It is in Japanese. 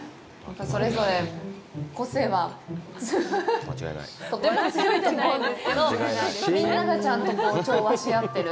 それぞれ、個性は、フフフッとても強いと思うんですけどみんながちゃんと調和し合ってる。